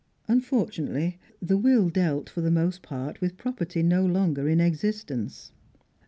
Unfortunately, the will dealt, for the most part, with property no longer in existence.